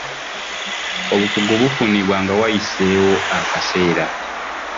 Obukugu bufunibwa nga wayiseewo akaseera.